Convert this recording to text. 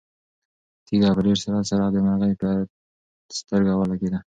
تیږه په ډېر سرعت سره د مرغۍ په سترګه ولګېده.